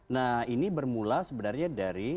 nah ini bermula sebenarnya dari